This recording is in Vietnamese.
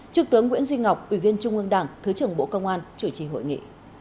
trước tướng nguyễn duy ngọc ủy viên trung ương đảng thứ trưởng bộ công an chủ trì hội nghị